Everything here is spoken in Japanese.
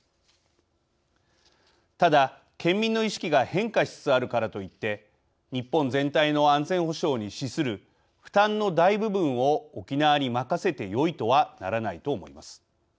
ただ県民の意識が変化しつつあるからといって日本全体の安全保障に資する負担の大部分を沖縄に任せてよいとはならないと思います。